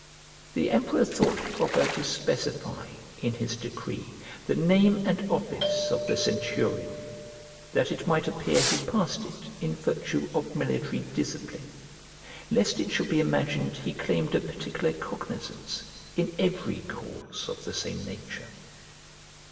The emperor thought proper to specify, in his decree, the name and office of the centurion, that it might appear he passed it in virtue of military discipline; lest it should be imagined he claimed a particular cognizance in every cause of the same nature.